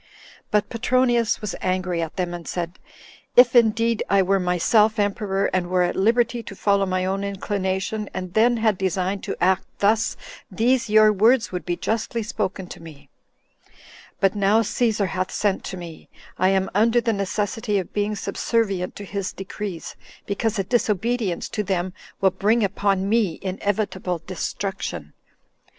But Petronius was angry at them, and said, "If indeed I were myself emperor, and were at liberty to follow my own inclination, and then had designed to act thus, these your words would be justly spoken to me; but now Cæsar hath sent to me, I am under the necessity of being subservient to his decrees, because a disobedience to them will bring upon me inevitable destruction."